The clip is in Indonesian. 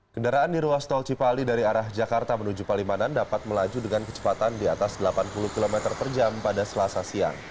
kendaraan di ruas tol cipali dari arah jakarta menuju palimanan dapat melaju dengan kecepatan di atas delapan puluh km per jam pada selasa siang